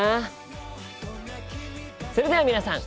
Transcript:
それでは皆さん